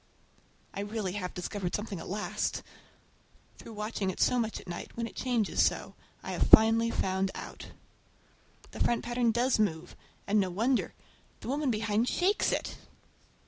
I really have discovered something at last. Through watching so much at night, when it changes so, I have finally found out. The front pattern does move—and no wonder! The woman behind shakes it!